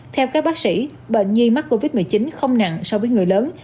theo các bác sĩ bệnh nhi mắc covid một mươi chín không nặng so với người lớn